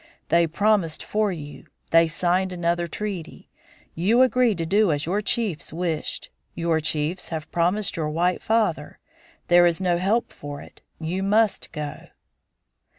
They promised for you. They signed another treaty. You agreed to do as your chiefs wished. Your chiefs have promised your white father. There is no help for it. You must go."